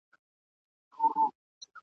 څوک چی خپل کسب پرېږدي دا ور پېښېږي ..